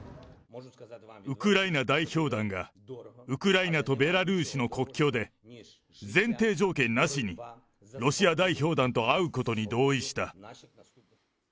ウクライナ代表団が、ウクライナとベラルーシの国境で、前提条件なしに、ロシア代表団と会うことに同意した。